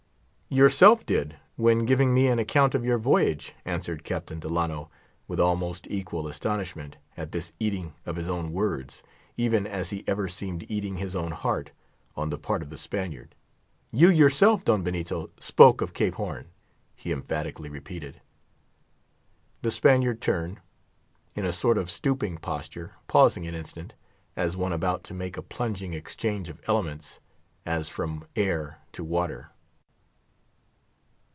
"Yourself did, when giving me an account of your voyage," answered Captain Delano, with almost equal astonishment at this eating of his own words, even as he ever seemed eating his own heart, on the part of the Spaniard. "You yourself, Don Benito, spoke of Cape Horn," he emphatically repeated. The Spaniard turned, in a sort of stooping posture, pausing an instant, as one about to make a plunging exchange of elements, as from air to water.